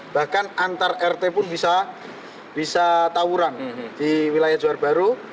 bahkan antar rt pun bisa tawuran di wilayah johar baru